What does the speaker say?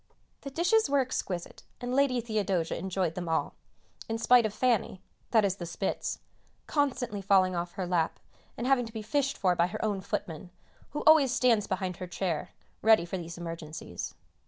The dishes were exquisite, and Lady Theodosia enjoyed them all, in spite of "Fanny" (that is the Spitz) constantly falling off her lap, and having to be fished for by her own footman, who always stands behind her chair, ready for these emergencies.